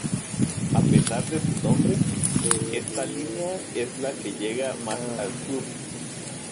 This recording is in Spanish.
A pesar de su nombre, esta línea es la que llega más al sur.